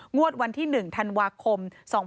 งวดวันที่๑ธันวาคม๒๕๖๒